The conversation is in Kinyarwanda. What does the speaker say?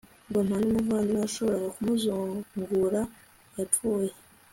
ngo nta n'umuvandimwe washoboraga kumuzugura yapfuye